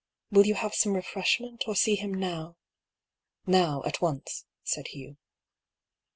Will you have some refresh ment, or see him now ?"" Now, at once," said Hugh.